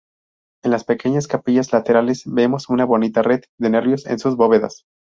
En las pequeñas capillas laterales vemos una bonita red de nervios en sus bóvedas.